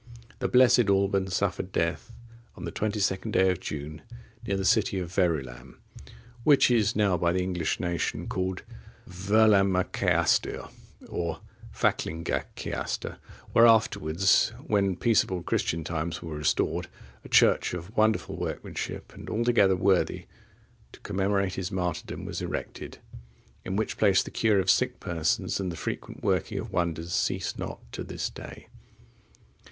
The blessed Alban suffered death on the twenty second day of June, near the city of Verulam,(55) which is now by the English nation called Verlamacaestir, or Vaeclingacaestir, where afterwards, when peaceable Christian times were restored, a church of wonderful workmanship, and altogether worthy to commemorate his martyrdom, was erected.(56) In which place the cure of sick persons and the frequent working of wonders cease not to this day.